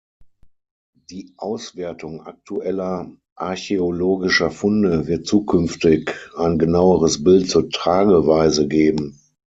Die Auswertung aktueller archäologischer Funde wird zukünftig ein genaueres Bild zur Trageweise geben.